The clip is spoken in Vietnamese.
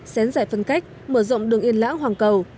xén giải phân cách mở rộng đường yên lãng hoàng cầu